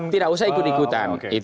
tidak usah ikut ikutan